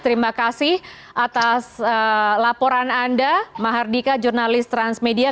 terima kasih atas laporan anda mahardika jurnalis transmedia